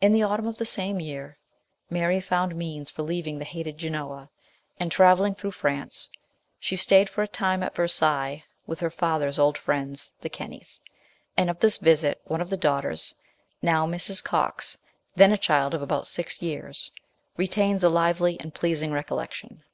In the autumn of the same year Mary found means for leaving the hated Genoa, and, travelling through France ; she stayed for a time at Versailles with her father's old friends, the Kennys, and of this visit one of the daughters, now Mrs. Cox, then a child of about six years, retains a lively and pleasing recollec tion.